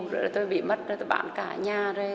rồi tôi bị mất rồi tôi bán cả nhà